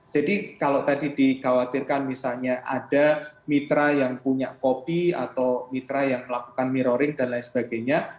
jadi kalau tadi dikhawatirkan misalnya ada mitra yang punya kopi atau mitra yang melakukan mirroring dan lain sebagainya